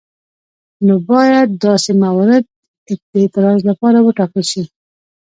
نو باید داسې موارد د اعتراض لپاره وټاکل شي.